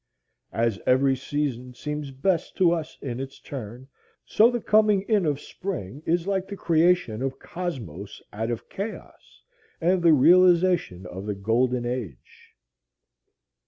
As every season seems best to us in its turn, so the coming in of spring is like the creation of Cosmos out of Chaos and the realization of the Golden Age.